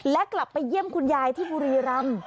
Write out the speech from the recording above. และกลับไปเยี่ยมคุณยายที่บุรีรำ